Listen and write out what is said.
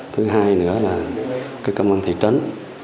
thứ hai nữa là công an thị trấn